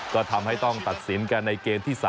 ก็ทำให้ต้องตัดสินกันในเกมที่๓